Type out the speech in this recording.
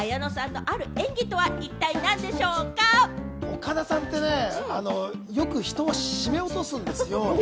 岡田さんってね、よく人を絞め落とすんですよ。